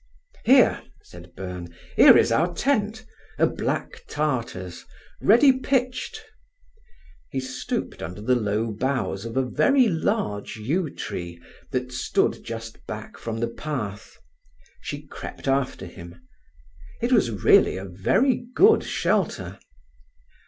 "Here," said Byrne—"here is our tent—a black tartar's—ready pitched." He stooped under the low boughs of a very large yew tree that stood just back from the path. She crept after him. It was really a very good shelter.